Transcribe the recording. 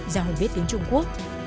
già hồ viết tiếng trung quốc